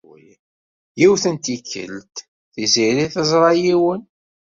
Yiwet n tikkelt, Tiziri teẓra yiwen.